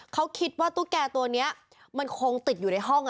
เขาคิดว่าตุ๊กแก่ตัวนี้มันคงติดอยู่ในห้อง